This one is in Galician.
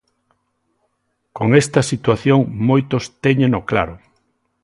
Con esta situación moitos téñeno claro.